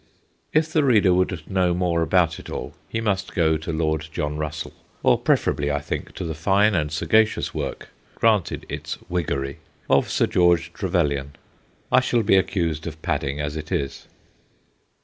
If the reader would know 228 THE GHOSTS OF PICCADILLY more about it all, he must go to Lord John Russell, or preferably, I think, to the fine and sagacious work (granted its Whiggery) of Sir George Trevelyan. I shall be accused of padding, as it is.